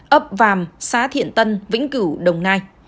ấp vàm xá thiện tân vĩnh cửu đồng nai